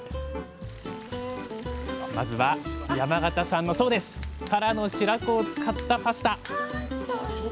まずは山形産のタラの白子を使ったパスタ。